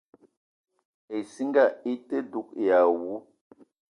Issinga ite dug èè àwu